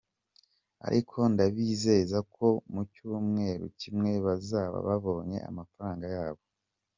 Ariko ndabizeza ko mu cyumweru kimwe bazaba babonye amafaranga yabo.